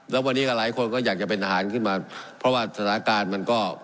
แล้ววันนี้ก็หลายคนก็อยากจะเป็นทหารขึ้นมาเพราะว่าสถานการณ์มันก็